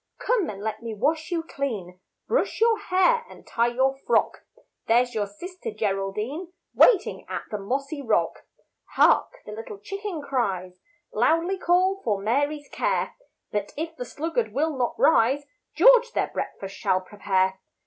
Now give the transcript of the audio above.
Come, and let me wash you clean, Brush your hair and tie your frock; There's your sister Geraldine, Waiting at the mossy rock. [Illustration: to face pa. 2 Sleepy Mary] Hark! the little chicken's cries, Loudly call for Mary's care, But if the sluggard will not rise, George their breakfast shall prepare.